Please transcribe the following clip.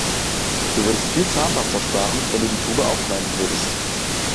Du würdest viel Zahnpasta sparen, wenn du die Tube aufschneiden würdest.